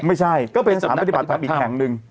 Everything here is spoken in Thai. ไม่ใช่ก็เป็นสถานปฏิบัติธรรมอีกแห่งหนึ่ง